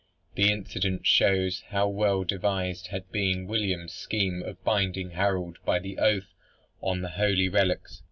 The incident shows how well devised had been William's scheme of binding Harold by the oath on the holy relics.